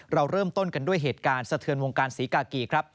เราเริ่มต้นกันด้วยเหตุการณ์สะเทือนวงการศรีกากีครับ